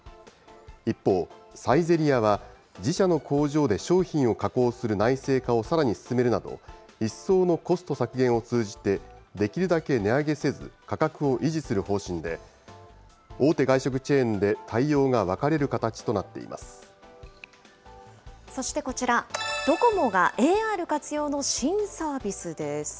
一方、サイゼリヤは自社の工場で商品を加工する内製化をさらに進めるなど、一層のコスト削減を通じて、できるだけ値上げせず、価格を維持する方針で、大手外食チェーンで対応が分かれる形となっそしてこちら、ドコモがＡＲ活用の新サービスです。